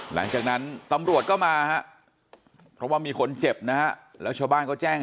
หลังจากนั้นตำรวจก็มาฮะเพราะว่ามีคนเจ็บนะฮะแล้วชาวบ้านก็แจ้ง